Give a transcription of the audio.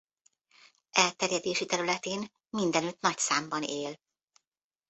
Elterjedési területén mindenütt nagy számban él.